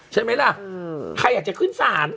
ใช่ไหมล่ะใครอยากจะขึ้นศาล